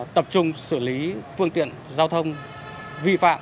tập trung xử lý phương tiện giao thông vi phạm